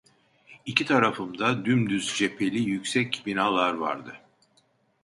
İki tarafımda dümdüz cepheli yüksek binalar vardı.